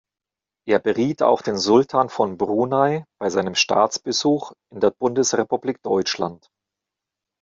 Er beriet auch den Sultan von Brunei bei seinem Staatsbesuch in der Bundesrepublik Deutschland.